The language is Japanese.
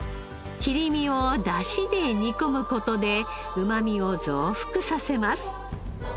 切り身を出汁で煮込む事でうまみを増幅させます。